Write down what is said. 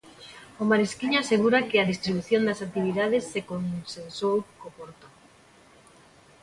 O Marisquiño asegura que a distribución das actividades se consensuou co Porto.